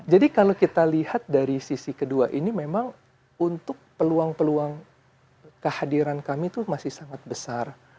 jadi kalau kita lihat dari sisi kedua ini memang untuk peluang peluang kehadiran kami itu masih sangat besar